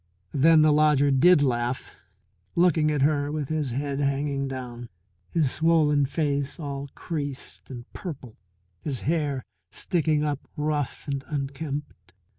Then the lodger did laugh, looking at her with his head hanging down, his swollen face all creased and purple, his hair sticking up rough and unkempt.